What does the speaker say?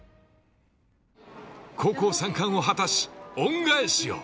高校３冠を果たし、恩返しを。